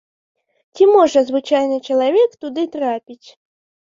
Ці можа звычайны чалавек туды трапіць?